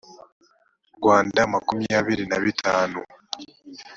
rwanda makumyabiri na bitanu